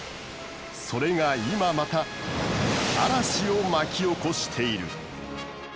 それが今また嵐を巻き起こしている。